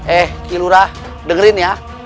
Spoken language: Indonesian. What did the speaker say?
eh hilurah dengerin ya